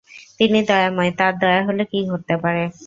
তিনি দয়াময়, তাঁর দয়া হলে কী ঘটতে পারে।